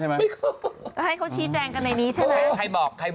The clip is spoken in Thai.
ไปให้เขาชี้แจ้งกันในนี้ใช่มั้ย